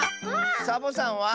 サボさんは？